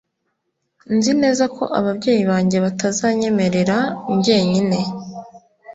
Nzi neza ko ababyeyi banjye batazanyemerera njyenyine